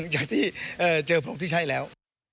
จากที่เจอพวกที่ใช่แล้ว